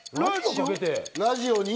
ラジオに？